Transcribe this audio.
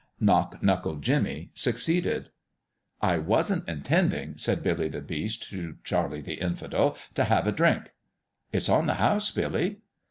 Knock knuckle Jimmie succeeded. " I wasn't intendin'," said Billy the Beast to Charlie the Infidel, "f have a drink." " It's on the house, Billy."